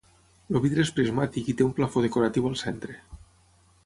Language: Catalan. El vidre és prismàtic i té un plafó decoratiu al centre.